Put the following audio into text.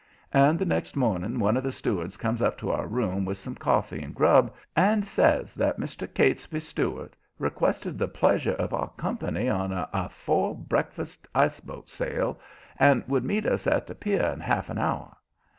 And the next morning one of the stewards comes up to our room with some coffee and grub, and says that Mr. Catesby Stuart requested the pleasure of our comp'ny on a afore breakfast ice boat sail, and would meet us at the pier in half an hour.